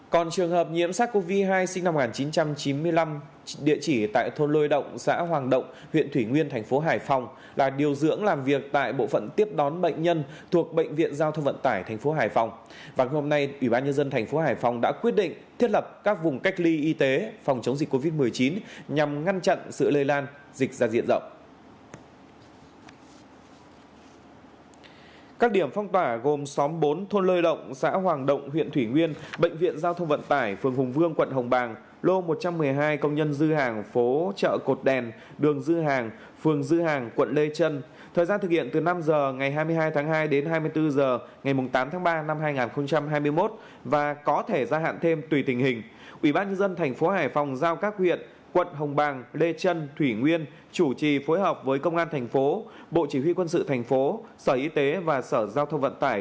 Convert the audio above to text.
còn trường hợp nhiễm sars cov hai sinh năm một nghìn chín trăm chín mươi năm địa chỉ tại thôn lôi động xã hoàng động huyện thủy nguyên thành phố hải phòng